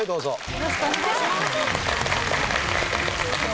よろしくお願いします。